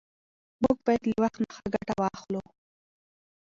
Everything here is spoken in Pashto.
موږ باید له وخت نه ښه ګټه واخلو